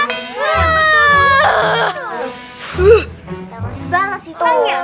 jangan balas itu